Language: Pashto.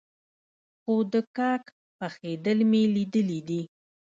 خو د کاک پخېدل مې ليدلي دي.